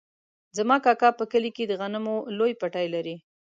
زما کاکا په کلي کې د غنمو لوی پټی لري.